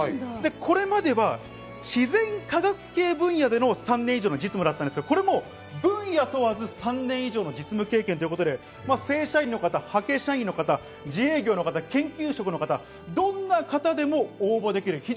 で、これまでは自然科学系分野での３年以上の実務だったんですが、これも分野問わず、３年以上の実務経験ということで正社員の方、派遣社員の方、自営業の方、研究職の方、どんな方でも応募できる。